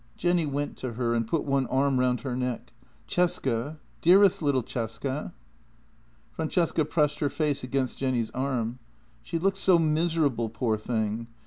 Jenny went to her and put one arm round her neck. " Cesca, dearest little Cesca !" Francesca pressed her face against Jenny's arm: " She looked so miserable, poor thing.